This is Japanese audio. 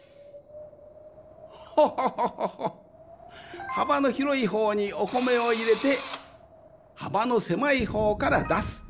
ホホホホホッはばのひろいほうにおこめをいれてはばのせまいほうからだす。